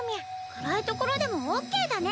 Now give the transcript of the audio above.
暗いところでもオッケーだね